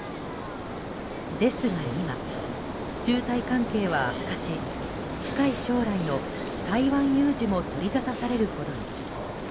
ですが今、中台関係は悪化し近い将来の台湾有事も取りざたされるほどに。